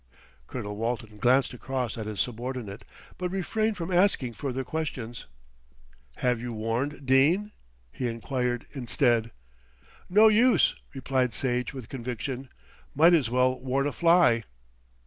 Colonel Walton glanced across at his subordinate; but refrained from asking further questions. "Have you warned Dene?" he enquired instead. "No use," replied Sage with conviction. "Might as well warn a fly."